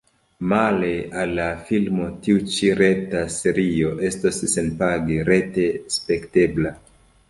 Male al la filmo tiu ĉi reta serio estos senpage rete spektebla.